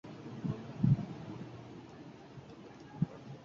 Fue enterrada en el Cementerio de Bad Saarow-Pieskow.